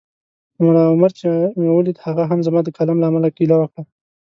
ملا عمر چي مې ولید هغه هم زما د کالم له امله ګیله وکړه